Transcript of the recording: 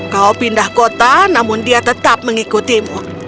kau pindah kota namun dia tetap mengikutimu